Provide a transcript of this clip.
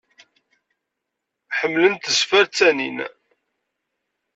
Ḥemmlen tezfer ttanin.